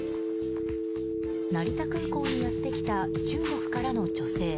成田空港にやってきた中国からの女性。